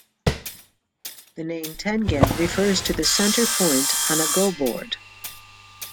The name Tengen refers to the center point on a Go board.